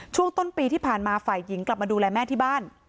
ช่วงต้นปีที่ผ่านมาฝ่ายหญิงกลับมาดูแลแม่ที่บ้าน